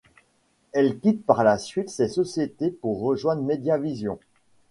Elle quitte par la suite ces sociétés pour rejoindre Media Vision.